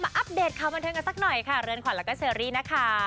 อัปเดตข่าวบันเทิงกันสักหน่อยค่ะเรือนขวัญแล้วก็เชอรี่นะคะ